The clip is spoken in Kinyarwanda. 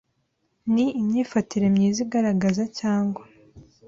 ni imyifatire myiza igaragaza cyangwa